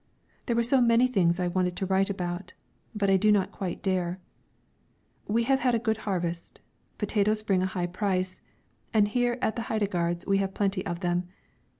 There were so many things I wanted to write about, but I do not quite dare. We have had a good harvest; potatoes bring a high price, and here at the Heidegards we have plenty of them.